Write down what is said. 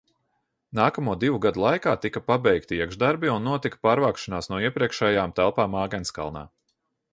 Nākamo divu gadu laikā tika pabeigti iekšdarbi un notika pārvākšanās no iepriekšējām telpām Āgenskalnā.